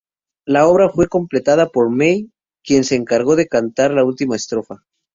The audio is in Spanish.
La obra fue completada por May, quien se encargó de cantar la última estrofa.